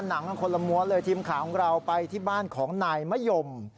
หนังกันคนละม้วนเลยทีมข่าวของเราไปที่บ้านของนายมะยม